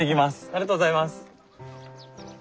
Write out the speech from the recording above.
ありがとうございます。